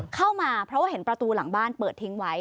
เข้ามาเพราะว่าเห็นประตูหลังบ้านเปิดทิ้งไว้